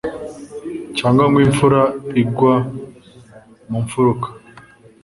cyangwa ngo imfura igwa mu mfuruka »